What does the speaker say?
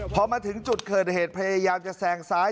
พอมาถึงจุดเกิดเหตุพยายามจะแซงซ้าย